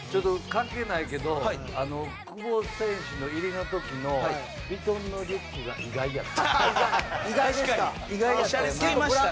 関係ないけど久保選手の入りの時のヴィトンのリュックが意外でした。